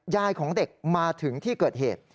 ยายของเด็กมาถึงที่เกิดเหตุ